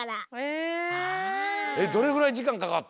どれぐらいじかんかかった？